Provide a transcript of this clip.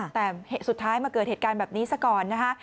แต่สุดท้ายมาเกิดเหตุการณ์แบบนี้ซะก่อนนะคะ